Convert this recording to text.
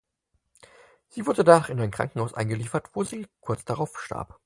Sie wurde danach in ein Krankenhaus eingeliefert, wo sie kurz darauf starb.